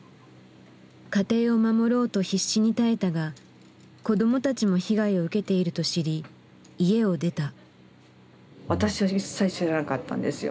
家庭を守ろうと必死に耐えたが子どもたちも被害を受けていると知り家を出た。